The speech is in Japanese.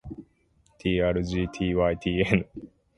ｔｒｇｔｙｔｎ